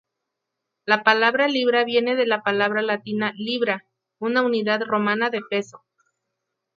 La palabra libra viene de la palabra latina libra, una unidad romana de peso.